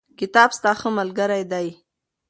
کتاب ستا ښه ملګری دی.